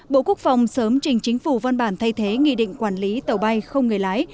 bộ quốc phòng sớm trình chính phủ văn bản thay thế nghị định quản lý tàu bay không người lái